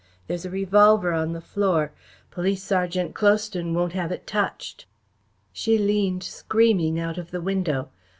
There's a revolver on the floor. Police Sergeant Cloutson won't have it touched." She leaned, screaming, out of the window.